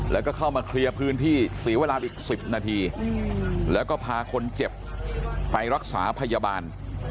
แล้วก็เข้ามาเคลียร์พื้นที่เสียเวลาอีก๑๐นาทีแล้วก็พาคนเจ็บไปรักษาพยาบาล